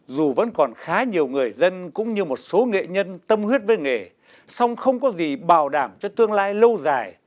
dù vẫn còn khá nhiều người dân cũng như một số nghệ nhân tâm huyết với nghề song không có gì bảo đảm cho tương lai lâu dài